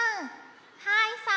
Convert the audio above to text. はいさい。